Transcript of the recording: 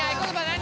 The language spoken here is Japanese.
何？